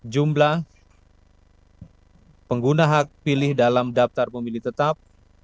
jumlah pengguna hak pilih dalam daftar pemilih tetap